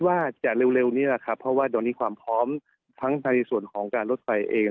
ว่าจะเร็วเร็วเนี่ยก็ให้เวลาครับเพราะว่าตอนนี้ความพร้อมทั้งในส่วนของการลดไฟเอง